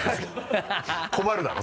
困るだろう